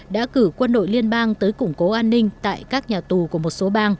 đã cử quân đội liên hợp quốc